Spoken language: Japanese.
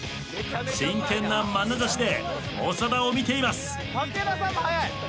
真剣なまなざしで長田を見ています。